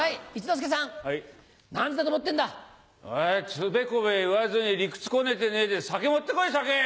つべこべ言わずに理屈こねてねえで酒持ってこい酒！